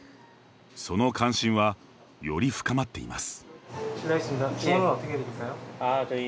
その関心は、より深まっています。